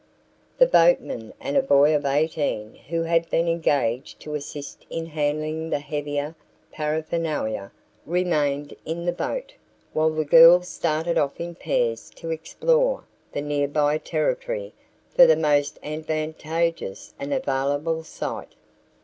The boatman and a boy of eighteen who had been engaged to assist in handling the heavier paraphernalia, remained in the boat while the girls started off in pairs to explore the nearby territory for the most advantageous and available site.